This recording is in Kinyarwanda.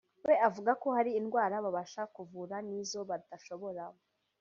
we avuga ko hari indwara babasha kuvura n’izo badashobora